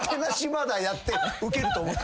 まだやってウケると思ってる？